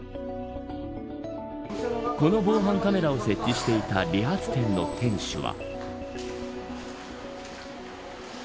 この防犯カメラを設置していた理髪店の店主は。